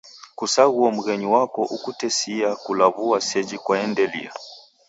Kusaghuo mghenyu wako okutesia kulaw'ua seji kwaendelia.